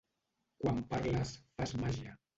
"Quan parles fas màgia"